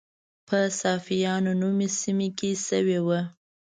په صافیانو نومي سیمه کې شوې وه.